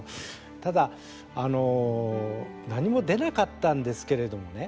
ただ何も出なかったんですけれどもね